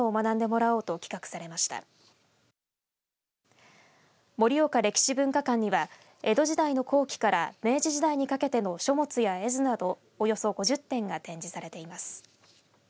もりおか歴史文化館には江戸時代の後期から明治時代にかけての書物や絵図などおよそ５０点が展示されています。